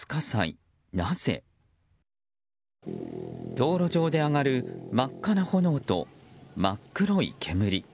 道路上で上がる真っ赤な炎と真っ黒い煙。